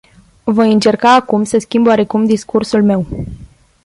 Voi încerca acum să schimb oarecum discursul meu.